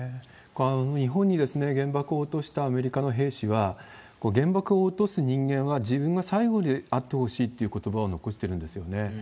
日本に原爆を落としたアメリカの兵士は、原爆を落とす人間は自分が最後であってほしいということばを残してるんですよね。